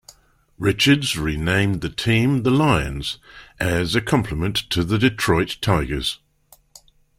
Richards renamed the team the Lions, as a complement to the Detroit Tigers.